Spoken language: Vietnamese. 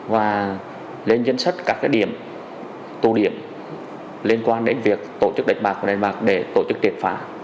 và lên danh sách các điểm tụ điểm liên quan đến việc tổ chức đánh bạc đánh bạc để tổ chức triệt phá